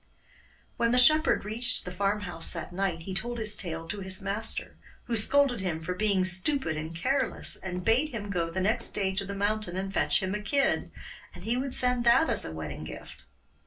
When the shepherd reached the farmhouse that night he told his tale to his master, who scolded him for being stupid and careless, and bade him go the next day to the mountain and fetch him a kid, and he would send that as a wedding gift.